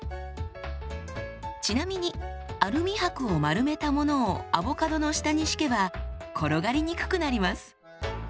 ちなみにアルミ箔を丸めたものをアボカドの下に敷けば転がりにくくなります。